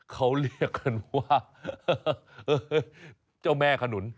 เขาเรียกกันว่าเจ้าแม่ขนุน